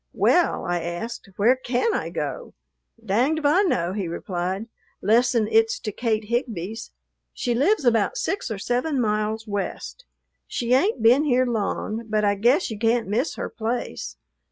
"Well," I asked, "where can I go?" "Danged if I know," he replied, "'lessen it 's to Kate Higbee's. She lives about six or seven miles west. She ain't been here long, but I guess you can't miss her place.